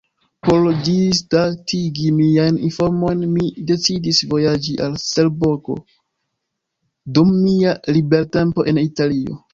Por ĝisdatigi miajn informojn, mi decidis vojaĝi al Seborgo dum mia libertempo en Italio.